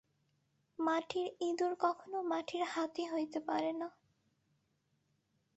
মাটির ইঁদুর কখনও মাটির হাতি হইতে পারে না।